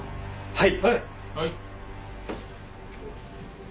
はい！